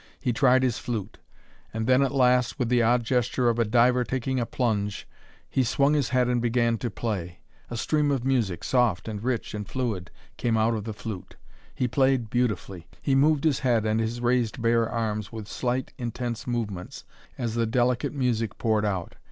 He tried his flute. And then at last, with the odd gesture of a diver taking a plunge, he swung his head and began to play. A stream of music, soft and rich and fluid, came out of the flute. He played beautifully. He moved his head and his raised bare arms with slight, intense movements, as the delicate music poured out.